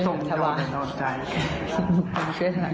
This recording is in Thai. น้ำมันซอสมันซอสกันมา